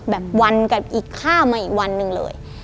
วันกับอีกข้ามมาอีกวันหนึ่งเลย